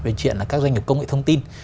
về chuyện các doanh nghiệp công nghệ thông tin